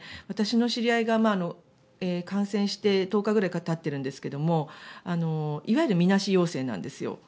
私の知り合いが、感染して１０日ぐらいたっているんですがいわゆるみなし陽性なんです。